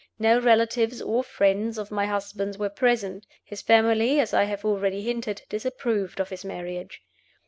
No relatives or friends of my husband's were present; his family, as I have already hinted, disapproved of his marriage.